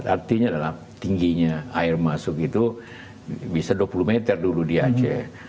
artinya adalah tingginya air masuk itu bisa dua puluh meter dulu di aceh